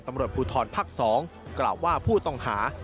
ตำรวจภูทรภักดิ์๒กล่าวว่าผู้ต้องหา